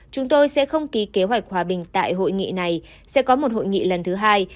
chúng tôi sẽ không ký kế hoạch hòa bình tại hội nghị này sẽ có một hội nghị lần thứ hai